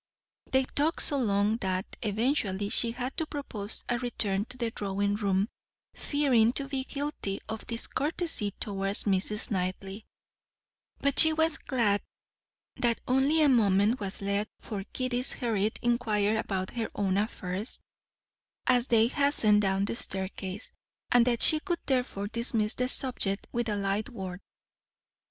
They talked so long that eventually she had to propose a return to the drawing room, fearing to be guilty of discourtesy towards Mrs. Knightley; but she was glad that only a moment was left for Kitty's hurried inquiry about her own affairs, as they hastened down the staircase, and that she could therefore dismiss the subject with a light word.